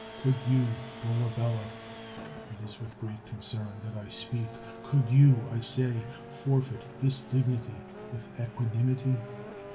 Could you, Dolabella — (it is with great concern that I speak) — could you, I say, forfeit this dignity with equanimity?